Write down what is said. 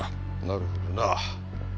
なるほどな。